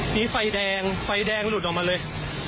มีไฟแดงไฟแดงหลุดออกมาเลย